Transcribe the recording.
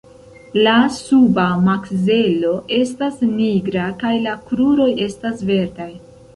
La suba makzelo estas nigra, kaj la kruroj estas verdaj.